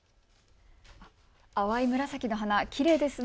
淡い紫の花、きれいですね。